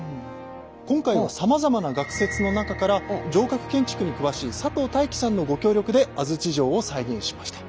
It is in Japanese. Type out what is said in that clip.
今回はさまざまな学説の中から城郭建築に詳しい佐藤大規さんのご協力で安土城を再現しました。